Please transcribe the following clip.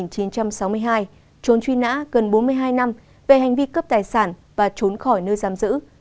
trốn truy nã gần bốn mươi hai năm về hành vi cướp tài sản và trốn khỏi nơi giam giữ